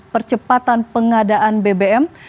kecepatan pengadaan bbm